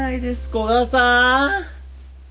古賀さん！